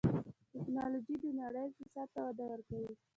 ټکنالوجي د نړۍ اقتصاد ته وده ورکوي.